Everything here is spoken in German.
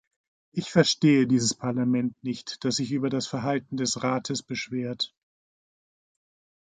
Ich verstehe dieses Parlament nicht, das sich über das Verhalten des Rates beschwert.